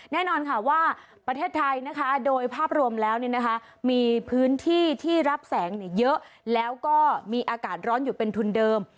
แน่นอนค่ะว่าประเทศไทยนะคะโดยภาพรวมแล้วมีพื้นที่ที่รับแสงเยอะแล้วก็มีอากาศร้อนอยู่เป็นทุนเดิม